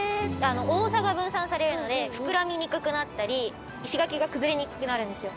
重さが分散されるので膨らみにくくなったり石垣が崩れにくくなるんですよ。